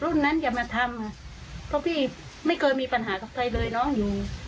รุ่นนั้นอย่ามาทำเพราะพี่ไม่เคยมีปัญหากับใครเลยน้องอยู่